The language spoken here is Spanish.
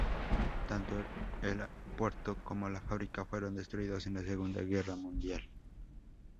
Tanto el puerto como la fábrica fueron destruidos en la Segunda Guerra Mundial.